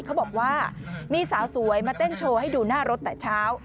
เขาบอกว่ามีสาวสวยมาเต้นโชว์ให้ดูหน้ารถแต่เช้า